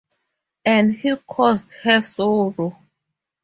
And he caused her sorrow.